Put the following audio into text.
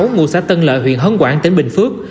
ngụ xã tân lợi huyện hấn quảng tỉnh bình phước